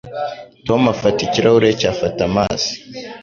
Tom afata ikirahure cye afata amazi.